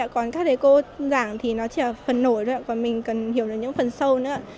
còn các đế cô giảng thì nó chỉ là phần nổi thôi còn mình cần hiểu được những phần sâu nữa